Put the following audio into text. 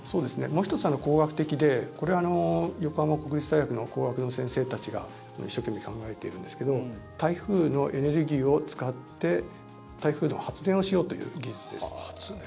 もう１つ、工学的で横浜国立大学の工学の先生たちが一生懸命考えているんですけど台風のエネルギーを使って台風の発電をしようという技術です。